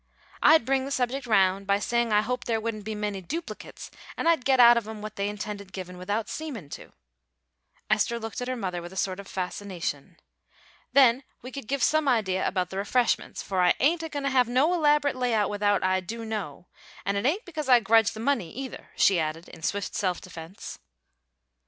I'd bring the subject round by saying I hoped there wouldn't be many duplicates, and I'd git out of 'em what they intended givin' without seemin' to." Esther looked at her mother with a sort of fascination. "Then we could give some idea about the refreshments; for I ain't a goin' to have no elaborate layout without I do know; and it ain't because I grudge the money, either," she added, in swift self defence.